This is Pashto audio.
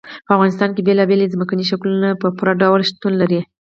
په افغانستان کې بېلابېل ځمکني شکلونه په پوره ډول شتون لري.